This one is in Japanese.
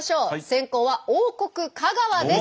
先攻は王国香川です。